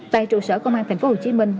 tại trụ sở công an thành phố hồ chí minh